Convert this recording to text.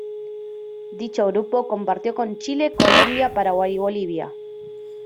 Dicho grupo compartió con Chile, Colombia, Paraguay y Bolivia.